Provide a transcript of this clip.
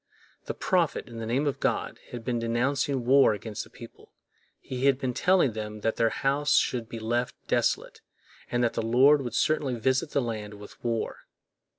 The prophet, in the name of God, had been denouncing war against the people; he had been telling them that their house should be left desolate, and that the Lord would certainly visit the land with war.